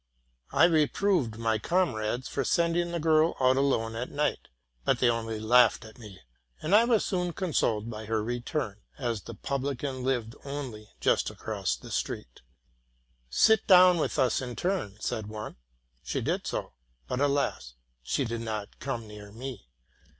I reproved my comrades for sending the girl out alone at night, but they only laughed at me; and I was soon consoled by her return, as the publican lived only just across the way. '* Sit down with us, in return,'' said one. She did so; but, alas! she did not come near me.